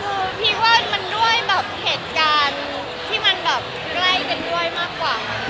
คือพี่ว่ามันด้วยแบบเหตุการณ์ที่มันแบบใกล้กันด้วยมากกว่า